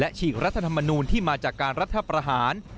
และฉีกรัฐนาธรรมนุนที่มาจากรัฐภาภาร